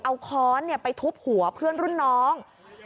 เอาค้อนไปทุบหัวเพื่อนรุ่นน้อง